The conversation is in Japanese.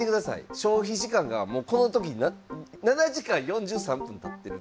消費時間がこの時に７時間４３分たってるんですね。